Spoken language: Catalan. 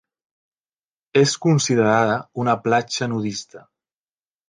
És considerada una platja nudista.